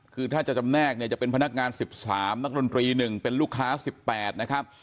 คือถ้าจะจำแนกเนี่ยจะเป็นพนักงาน๑๓นักดนตรี๑เป็นลูกค้า๑๘นะครับ